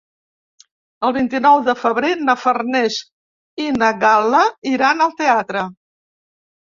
El vint-i-nou de febrer na Farners i na Gal·la iran al teatre.